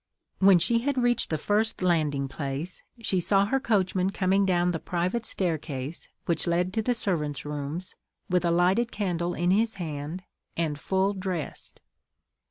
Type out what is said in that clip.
When she had reached the first landing place, she saw her coachman coming down the private staircase, which led to the servants' rooms, with a lighted candle in his hand, and full dressed.